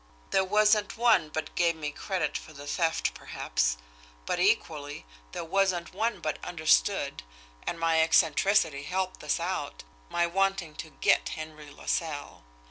There wasn't one but gave me credit for the theft, perhaps; but equally, there wasn't one but understood, and my eccentricity helped this out, my wanting to 'get' Henry LaSalle.